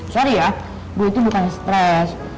sorry ya gue itu bukan stres